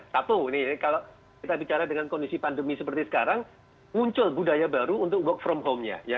satu ini kalau kita bicara dengan kondisi pandemi seperti sekarang muncul budaya baru untuk work from home nya